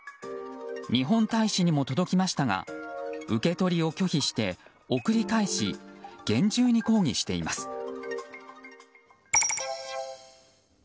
日本大使にも届きましたが受け取りを拒否して送り返し、厳重に抗議しています。